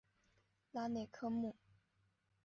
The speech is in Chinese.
拉内科布。